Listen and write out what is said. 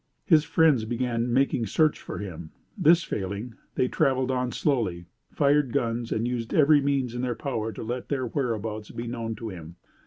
His friends began making search for him. This failing, they traveled on slowly, fired guns and used every means in their power to let their whereabouts be known to him.